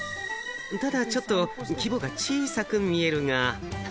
ただちょっと、規模が小さく見えるが。